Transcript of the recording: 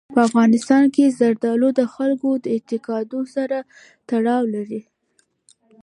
په افغانستان کې زردالو د خلکو د اعتقاداتو سره تړاو لري.